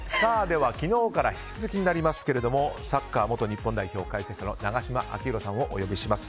では昨日から引き続きになりますがサッカー元日本代表解説者の永島昭浩さんをお呼びします。